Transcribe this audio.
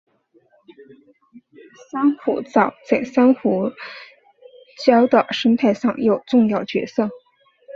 珊瑚藻在珊瑚礁的生态上有重要角色。